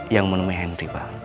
yang menemui henry bang